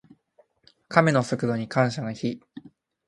カメの速度に感謝の日。